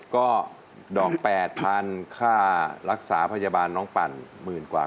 ก็ดอก๘๐๐๐ค่ารักษาพยาบาลน้องปั่นหมื่นกว่า